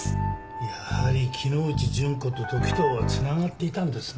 やはり木之内順子と時任は繋がっていたんですね。